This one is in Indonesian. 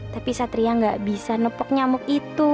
tapi satria nggak bisa nepok nyamuk itu